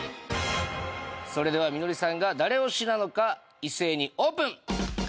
それではみのりさんが誰推しなのか一斉にオープン！